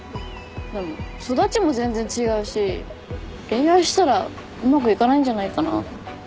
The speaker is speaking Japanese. でも育ちも全然違うし恋愛したらうまくいかないんじゃないかなぁ。